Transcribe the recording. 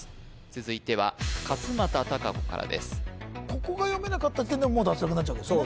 続いては勝間田貴子からですここが読めなかった時点でもう脱落になっちゃうわけですね